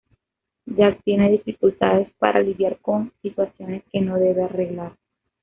Jack tiene dificultades para lidiar con situaciones que no debe arreglar.